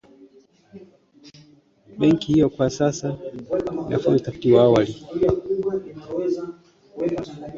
Washington siku ya Alhamis iliionya Moscow kuhusu kile ambacho baadhi ya